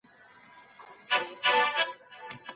قاتل ته په پای کي کومه سزا ورکول کيږي؟